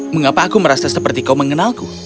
mengapa aku merasa seperti kau mengenalku